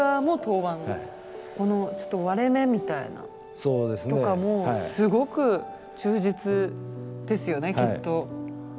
この割れ目みたいなのとかもすごく忠実ですよねきっと。